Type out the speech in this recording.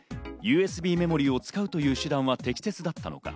ＵＳＢメモリーを使うという手段は適切だったのか。